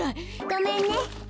ごめんね。